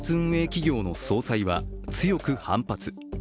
企業の総裁は強く反発。